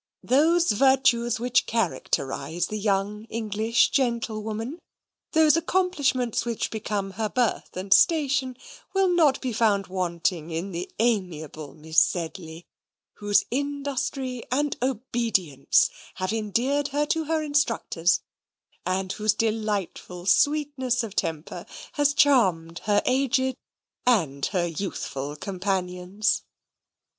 Those virtues which characterize the young English gentlewoman, those accomplishments which become her birth and station, will not be found wanting in the amiable Miss Sedley, whose INDUSTRY and OBEDIENCE have endeared her to her instructors, and whose delightful sweetness of temper has charmed her AGED and her YOUTHFUL companions.